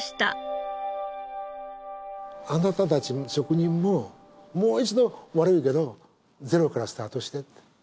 あなたたち職人ももう一度悪いけどゼロからスタートして。